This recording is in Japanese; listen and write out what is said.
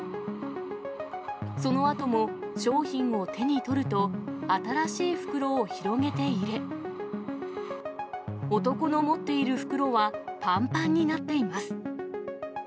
そのあとも商品を手に取ると、新しい袋を広げて入れ、男の持っている袋はぱんぱんになっています。